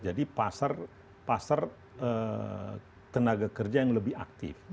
jadi pasar tenaga kerja yang lebih aktif